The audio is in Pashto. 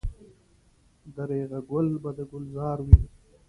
درېغه ګل به د ګلزار وي.